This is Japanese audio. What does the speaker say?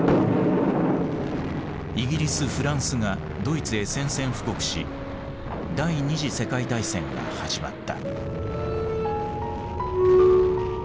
イギリスフランスがドイツへ宣戦布告し第二次世界大戦が始まった。